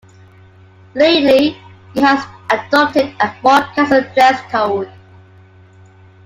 Lately, he has adopted a more casual dress code.